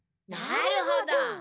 なるほど！